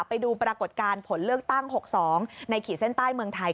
ไปดูปรากฏการณ์ผลเลือกตั้ง๖๒ในขีดเส้นใต้เมืองไทย